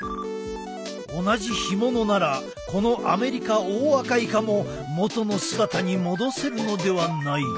同じ干物ならこのアメリカオオアカイカも元の姿に戻せるのではないか？